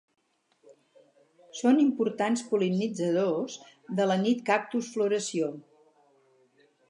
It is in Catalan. Són importants pol·linitzadors de la nit-cactus floració.